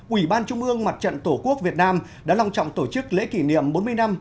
ủy ban trung ương mặt trận tổ quốc việt nam đã long trọng tổ chức lễ kỷ niệm bốn mươi năm